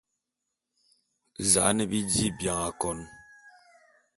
Za'an bi dí bian akôn.